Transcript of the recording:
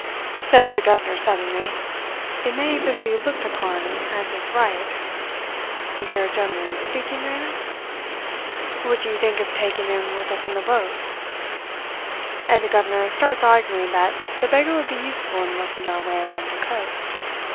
Says the governor suddenly: "'It may even be looked upon as his right' you hear a gentleman speaking there? 'but what do you think of taking him with us in the boat?' "And the governor starts arguing that the beggar would be useful in working our way along the coast.